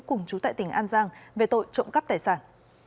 cùng chú tại tỉnh an giang về tội trộm cắp tài sản